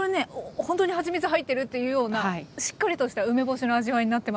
ほんとにはちみつ入ってる？っていうようなしっかりとした梅干しの味わいになってます。